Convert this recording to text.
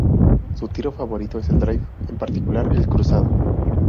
Su tiro favorito es el drive, en particular el cruzado.